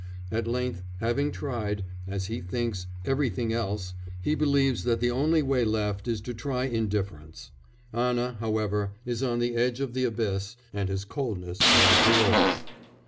At length, having tried, as he thinks, everything else, he believes that the only way left is to try indifference; Anna, however, is on the edge of the abyss, and his coldness drives her over.